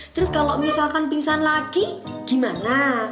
terus kalau misalkan pingsan lagi gimana